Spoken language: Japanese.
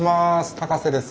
高瀬です。